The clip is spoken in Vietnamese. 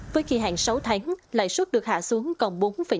với kỳ hạn sáu tháng lãi suất được hạ xuống còn bốn năm